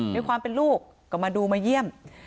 ในความเป็นลูกก็มาดูมาเยี่ยม